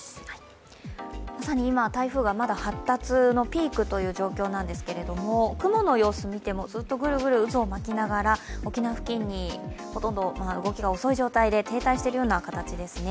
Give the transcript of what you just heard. まさに今、台風が発達のピークという状況なんですが、雲の様子、見てもぐるぐる渦を巻きながら沖縄付近に、動きが遅い状態で停滞しているような形ですね。